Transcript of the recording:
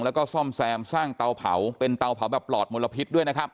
แล้วก็ซ่อมแซมสร้างเตาเผาเป็นเตาเผาแบบปลอดมลพิษด้วยนะครับ